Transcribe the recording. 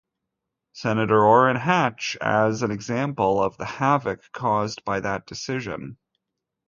Senator Orrin Hatch as an example of the "havoc" caused by that decision.